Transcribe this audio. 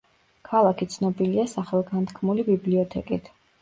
ქალაქი ცნობილია სახელგანთქმული ბიბლიოთეკით.